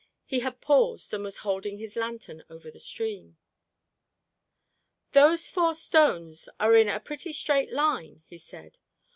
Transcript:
He had paused and was holding his lantern over the stream. "Those four stones are in a pretty straight line," he said.